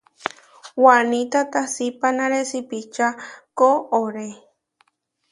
Wanita tasipánare sipiča koʼorée.